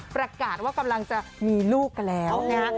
ประกาศว่ากำลังจะมีลูกกันแล้วนะฮะ